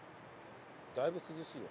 だいぶ涼しいわ。